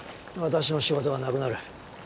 私の仕事がなくなる。